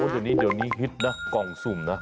เดี๋ยวนี้ฮิตนะกล่องสุ่มนะ